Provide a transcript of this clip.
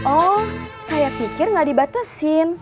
oh saya pikir nggak dibatasin